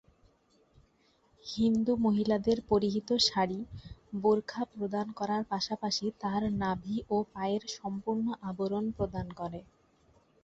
হিন্দু মহিলাদের পরিহিত শাড়ি, বোরখা প্রদান করার পাশাপাশি তার নাভি ও পায়ের সম্পূর্ণ আবরণ প্রদান করে।